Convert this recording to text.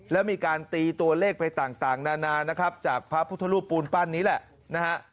แล้วมีการตีตัวเลขไปต่างนานานะครับจากพระพุทธรูปปูนปั้นนี้แหละนะฮะ